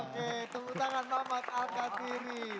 oke keputangan mamat alkathiri